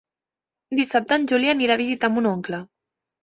Dissabte en Juli anirà a visitar mon oncle.